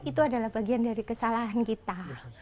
itu adalah bagian dari kesalahan kita